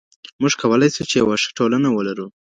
موږ کولای سو چي یوه ښه ټولنه ولرو.